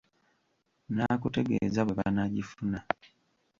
Nnaakutegeeza bwe banaagifuna.